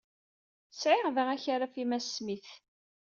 Sɛiɣ da akaraf i Mass Smith.